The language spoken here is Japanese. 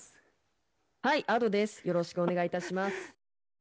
よろしくお願いします。